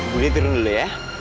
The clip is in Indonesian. budi turun dulu ya